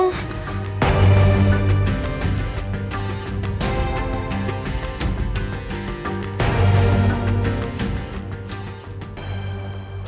aduh gimana dong